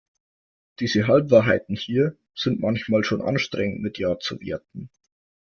Diese Halbwahrheiten hier sind manchmal schon anstrengend mit ja zu werten.